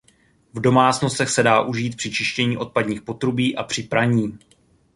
V domácnostech se dá užít při čištění odpadních potrubí a při praní.